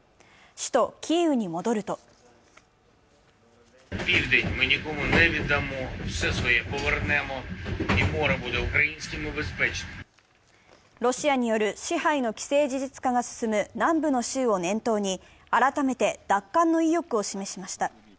首都キーウに戻るとロシアによる支配の既成事実化が進む南部の州を念頭に、改めて奪還の意欲を示しました。